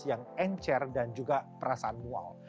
penyebabnya adalah virus yang encer dan juga perasaan mual